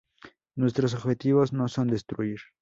Nuestros objetivos no son destruir